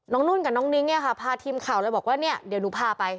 นุ่นกับน้องนิ้งเนี่ยค่ะพาทีมข่าวเลยบอกว่าเนี่ยเดี๋ยวหนูพาไป